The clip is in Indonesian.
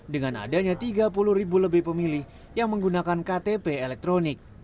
dengan adanya tiga puluh ribu lebih pemilih yang menggunakan ktp elektronik